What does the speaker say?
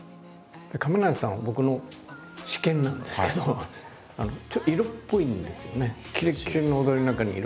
亀梨さんは僕の私見なんですけどちょっと色っぽいんですよね。